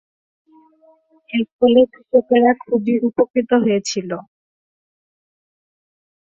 এর ফলে কৃষকেরা খুবই উপকৃত হয়েছিল।